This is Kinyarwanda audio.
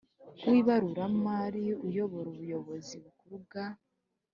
w ibaruramari uyobora Ubuyobozi Bukuru bwa